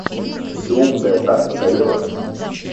Всё умное так надоело...